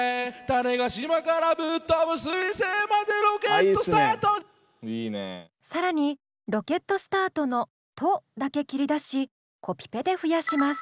「種子島からぶっ飛ぶ水星までロケットスタート」更に「ロケットスタート」の「ト」だけ切り出しコピペで増やします。